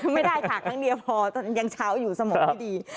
ไม่ได้ค่ะครั้งเดียวพอตอนยังเช้าอยู่สมองไม่ดี